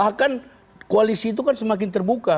bahkan koalisi itu kan semakin terbuka